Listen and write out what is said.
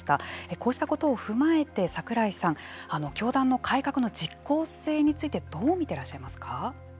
こうしたことを踏まえて櫻井さん、教団の改革の実効性についてどう見ていらっしゃいますか。